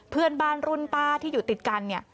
เพื่อนบ้านรุ่นป้าที่อยู่ติดกันเนี่ย